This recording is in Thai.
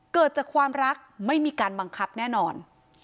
เกิดจากความรักไม่มีการบังคับแน่นอน